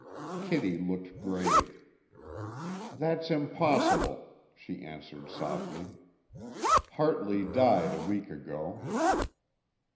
Kitty looked grave. "That's impossible," she answered softly. "Hartley died a week ago."